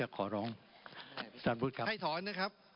ให้ถอนนะครับ